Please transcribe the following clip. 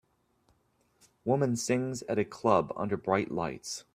Woman sings at a club under bright lights